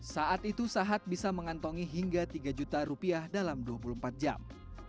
saat itu sahat bisa mengantongi hingga tiga juta rupiah dalam dua puluh empat jam